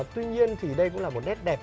tuy nhiên thì đây cũng là một nét đẹp